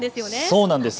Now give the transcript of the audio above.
そうなんです。